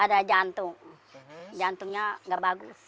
ada jantung jantungnya nggak bagus